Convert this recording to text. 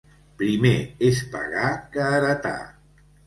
Primer és pagar que heretar.